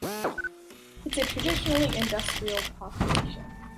It’s a traditionally industrial population.